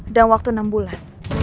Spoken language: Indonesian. dalam waktu enam bulan